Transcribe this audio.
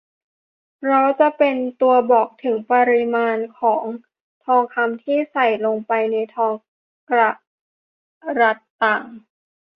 เพราะจะเป็นตัวบอกถึงปริมาณของทองคำที่ใส่ลงไปในทองกะรัตต่าง